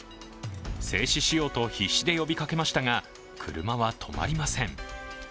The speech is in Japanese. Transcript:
制止しようと必死で呼びかけましたが、車は止まりません。